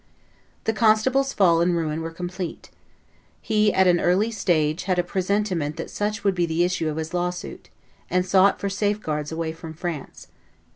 The constable's fall and ruin were complete. He at an early stage had a presentiment that such would be the issue of his lawsuit, and sought for safeguards away from France.